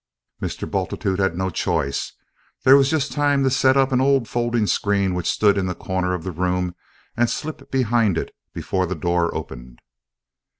Mr. Bultitude had no choice; there was just time to set up an old folding screen which stood in a corner of the room and slip behind it before the door opened.